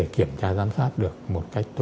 các cái kê khai không đầy đủ